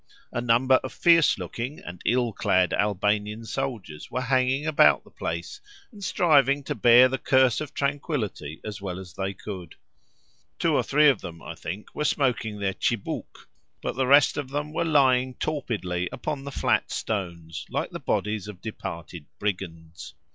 A number of fierce looking and ill clad Albanian soldiers were hanging about the place, and striving to bear the curse of tranquillity as well as they could: two or three of them, I think, were smoking their tchibouques, but the rest of them were lying torpidly upon the flat stones, like the bodies of departed brigands.